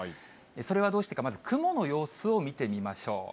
それはどうしてか、まず、雲の様子を見てみましょう。